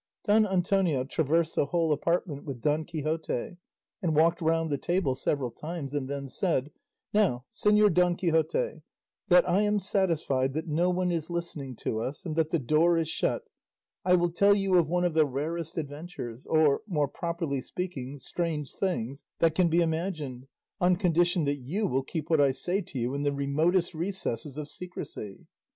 Don Antonio traversed the whole apartment with Don Quixote and walked round the table several times, and then said, "Now, Señor Don Quixote, that I am satisfied that no one is listening to us, and that the door is shut, I will tell you of one of the rarest adventures, or more properly speaking strange things, that can be imagined, on condition that you will keep what I say to you in the remotest recesses of secrecy."